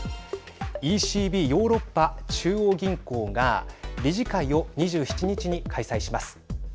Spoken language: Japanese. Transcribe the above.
ＥＣＢ＝ヨーロッパ中央銀行が理事会を２７日に開催します。